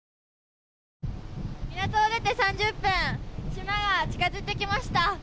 港を出て３０分島が近づいてきました。